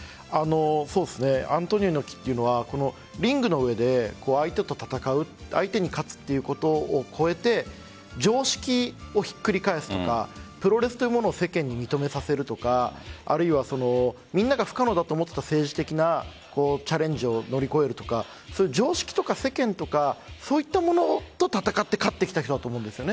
アントニオ猪木というのはリングの上で相手と戦う相手に勝つということを超えて常識をひっくり返すとかプロレスというものを世間に認めさせるとかあるいは皆が不可能だと思っていた政治的なチャレンジを乗り越えるとか常識とか世間とかそういったものと戦って勝ってきた人だと思うんです。